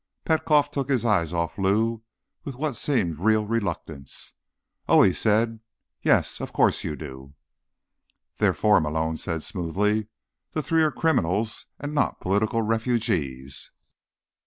Petkoff took his eyes off Lou with what seemed real reluctance. "Oh," he said. "Yes. Of course you do." "Therefore," Malone said smoothly, "the three are criminals and not political refugees."